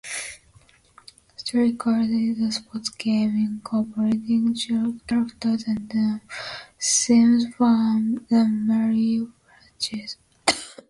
"Strikers" is a sports game incorporating characters and themes from the "Mario" franchise.